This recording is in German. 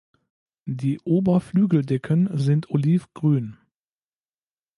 Die Oberflügeldecken sind olivgrün.